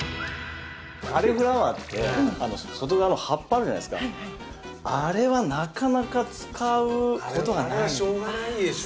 カリフラワーって外側の葉っぱあるじゃないですかはいはいあれはなかなか使うことがないあれはしょうがないでしょ